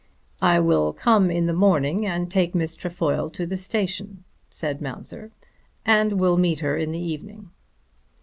"I will come in the morning and take Miss Trefoil to the station," said Mounser, "and will meet her in the evening."